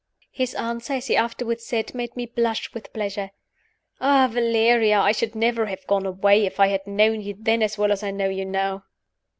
His answer (as he afterward said) made me blush with pleasure. "Ah, Valeria, I should never have gone away if I had known you then as well as I know you now!"